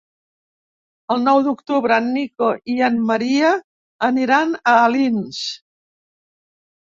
El nou d'octubre en Nico i en Maria aniran a Alins.